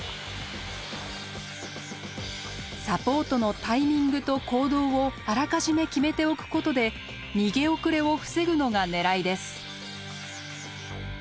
サポートのタイミングと行動をあらかじめ決めておくことで逃げ遅れを防ぐのが狙いです。